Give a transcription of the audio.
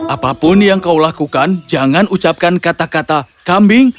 apapun yang kau lakukan jangan ucapkan kata kata kambing